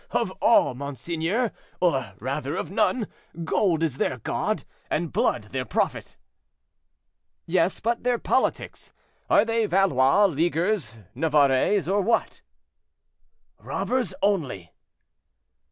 "Of all, monseigneur; or, rather, of none; gold is their god, and blood their prophet." "Yes; but their politics? Are they Valois, Leaguers, Navarrais, or what?" "Robbers only."